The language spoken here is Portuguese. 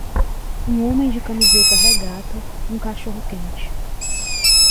Um homem de camiseta regata um cachorro-quente.